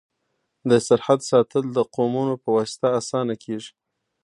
د سرحد ساتل د قومونو په واسطه اسانه کيږي.